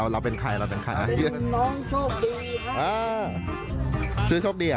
แต่ว่าหนูสวยขึ้นมากค่ะเนี่ย